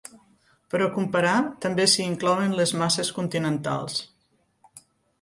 Per a comparar, també s'hi inclouen les masses continentals.